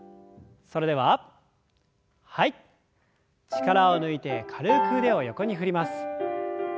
力を抜いて軽く腕を横に振ります。